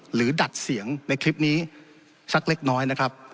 ดัดเสียงในคลิปนี้สักเล็กน้อยนะครับ